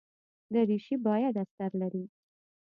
دریشي باید استر لري.